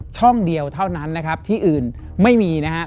ช่องเดียวเท่านั้นนะครับที่อื่นไม่มีนะครับ